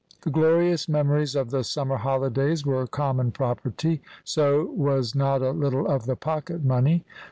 The glorious memories of the summer holidays were common property. So was not a little of the pocket money.